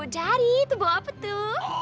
dari itu bawa apa tuh